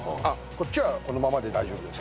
こっちはこのままで大丈夫です。